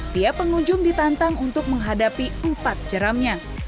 tiap pengunjung ditantang untuk menghadapi empat jeramnya